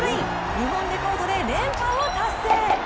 日本レコードで連覇を達成。